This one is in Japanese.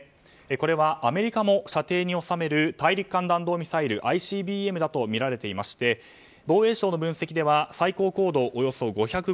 これはアメリカも射程に収める大陸間弾道ミサイル・ＩＣＢＭだとみられていまして防衛省の分析では最高高度およそ５５０ｋｍ。